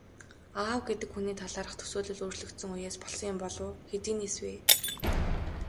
Аав гэдэг хүний талаарх төсөөлөл өөрчлөгдсөн үеэс болсон юм болов уу, хэдийнээс вэ?